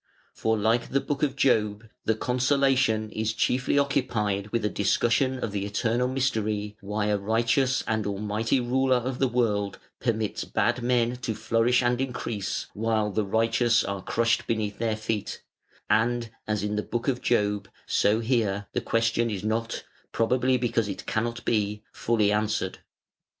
For like the Book of Job, the "Consolation" is chiefly occupied with a discussion of the eternal mystery why a Righteous and Almighty Ruler of the world permits bad men to flourish and increase, while the righteous are crushed beneath their feet: and, as in the Book of Job, so here, the question is not, probably because it cannot be, fully answered.